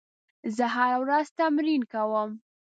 زه هره ورځ تمرین کوم.